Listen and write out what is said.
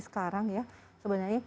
sekarang ya sebenarnya